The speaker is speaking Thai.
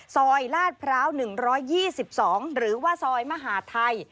ลาดพร้าว๑๒๒หรือว่าซอยมหาดไทย